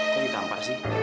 kok ditampar sih